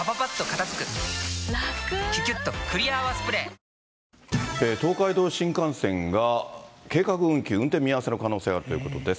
三井不動産東海道新幹線が、計画運休、運転見合わせの可能性があるということです。